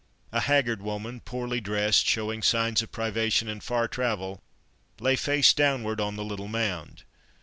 A haggard woman, poorly dressed, showing signs of privation and far travel, lay face downward on the little mound.